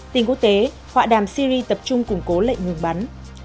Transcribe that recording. tình quốc tế họa đàm syri tập trung củng cố lệnh ngừng bắn